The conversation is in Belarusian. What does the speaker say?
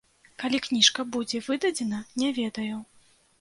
Калі кніжка будзе выдадзена, не ведаю.